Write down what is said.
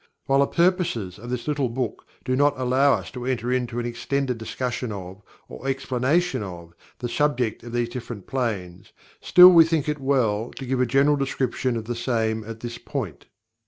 While the purposes of this little book do not allow us to enter into an extended discussion of, or explanation of, the subject of these different planes, still we think it well to give a general description of the same at this point.